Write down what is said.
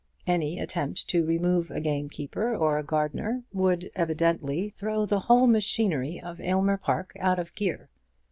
Any attempt to remove a gamekeeper or a gardener would evidently throw the whole machinery of Aylmer Park out of gear.